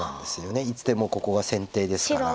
いつでもここが先手ですから。